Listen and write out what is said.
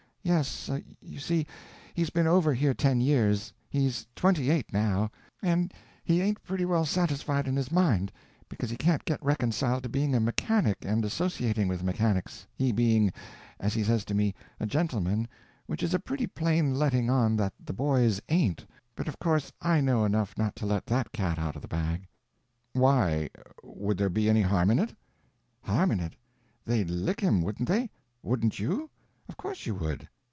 "Yes, you see, he's been over here ten years; he's twenty eight, now, and he ain't pretty well satisfied in his mind, because he can't get reconciled to being a mechanic and associating with mechanics, he being, as he says to me, a gentleman, which is a pretty plain letting on that the boys ain't, but of course I know enough not to let that cat out of the bag." "Why—would there be any harm in it?" "Harm in it? They'd lick him, wouldn't they? Wouldn't you? Of course you would.